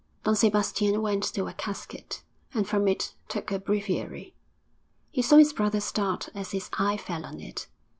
Don Sebastian went to a casket, and from it took a breviary. He saw his brother start as his eye fell on it.